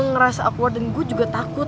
gue ngerasa awkward dan gue juga takut